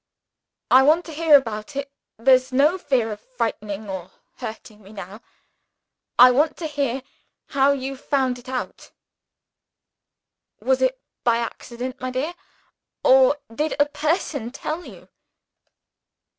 I want to hear about it there's no fear of frightening or hurting me now. I want to hear how you found it out. Was it by accident, my dear? or did a person tell you?"